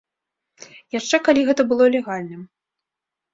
Яшчэ калі гэта было легальным.